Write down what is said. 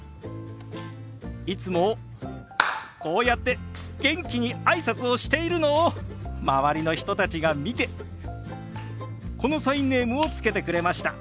いつもこうやって元気に挨拶をしているのを周りの人たちが見てこのサインネームを付けてくれました。